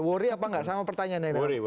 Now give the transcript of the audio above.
worry apa nggak sama pertanyaan ini